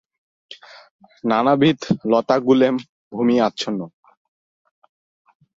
নানাবিধ লতাগুলেম ভূমি আচ্ছন্ন।